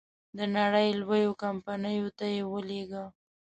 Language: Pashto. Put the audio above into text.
د نړی لویو کمپنیو ته یې ولېږه.